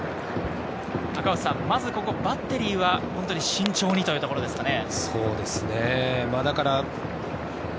まずここ、バッテリーは本当に慎重にというところですかね。